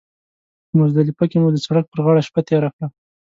په مزدلفه کې مو د سړک پر غاړه شپه تېره کړه.